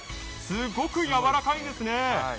すごく柔らかいんですね。